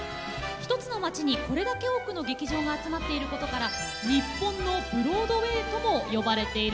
一つの街にこれだけ多くの劇場が集まっていることから「日本のブロードウェイ」とも呼ばれているんです。